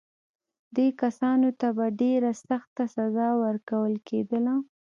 دې کسانو ته به ډېره سخته سزا ورکول کېدله.